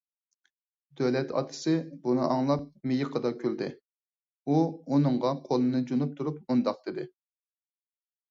دۆلەت ئاتىسى بۇنى ئاڭلاپ مىيىقىدا كۈلدى. ئۇ ئۇنىڭغا قولىنى جۇنۇپ تۇرۇپ مۇنداق دېدى: